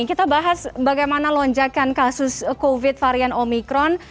kita bahas bagaimana lonjakan kasus covid varian omikron